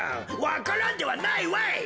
わか蘭ではないわい！